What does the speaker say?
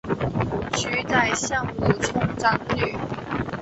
娶宰相吴充长女。